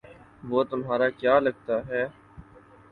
وہ تمہارا کیا لگتا ہے؟